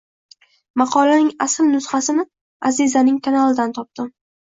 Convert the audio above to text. Maqolaning asl nusxasini Azizaning kanalidan topdim